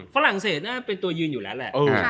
ฝรั่งเศสค่ะมันตัวอยู่อยู่แล้ว